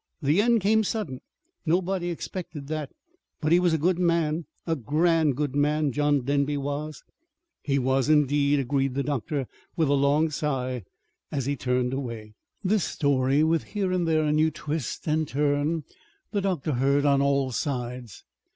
The end come sudden. Nobody expected that. But he was a good man a grand good man John Denby was!" "He was, indeed," agreed the doctor, with a long sigh, as he turned away. This story, with here and there a new twist and turn, the doctor heard on all sides.